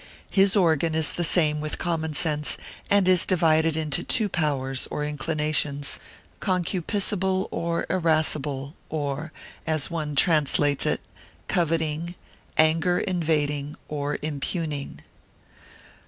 His organ is the same with the common sense, and is divided into two powers, or inclinations, concupiscible or irascible: or (as one translates it) coveting, anger invading, or impugning.